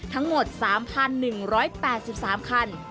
ทั้งหมด๓๑๘๓คัน